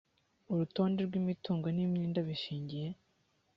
urutonde rw’imitungo n’imyenda bishingiye